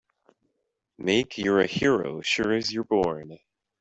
Make you're a hero sure as you're born!